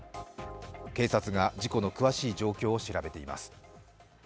警察が事故の詳しい状況を調べています。